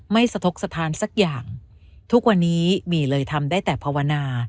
สะทกสถานสักอย่างทุกวันนี้หมี่เลยทำได้แต่ภาวนา